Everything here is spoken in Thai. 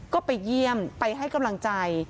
ก็ไปเยี่ยมไปให้กำลังใจ